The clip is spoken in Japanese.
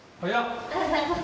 おはようございます。